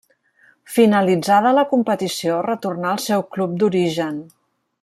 Finalitzada la competició retornà al seu club d'origen.